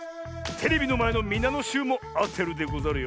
テレビのまえのみなのしゅうもあてるでござるよ。